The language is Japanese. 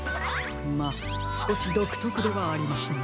まあすこしどくとくではありますが。